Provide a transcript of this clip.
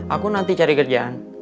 aku nanti cari kerjaan